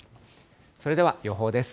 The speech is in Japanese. それでは予報です。